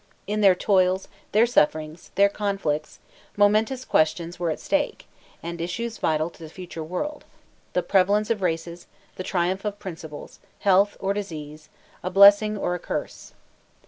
In their toils, their sufferings, their conflicts, momentous questions were at stake, and issues vital to the future world, the prevalence of races, the triumph of principles, health or disease, a blessing or a curse.